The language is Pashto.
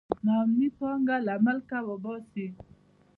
نا امني پانګه له ملکه وباسي.